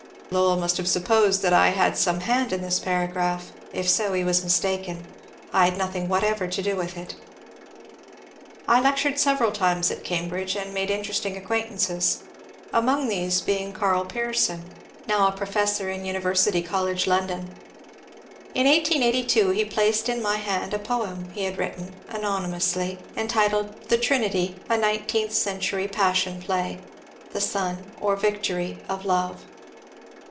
Lowell may have supposed that I had some hand in this paragraph ; if so, he was mistaken. I had nothing whatever to do with it. I lectured several times at Cambridge and made interest ing acquaintances, among these being Karl Pearson, now a professor in University College, London. In 1882 he placed in my hand a poem he had written (anonymously), entitled The Trinity: A Nineteenth Century Passion Play. The Son ; or, Victory of Love.